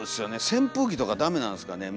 扇風機とかダメなんですかね。